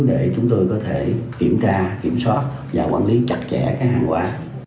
để chúng tôi có thể kiểm tra kiểm soát và quản lý chặt chẽ các hàng hóa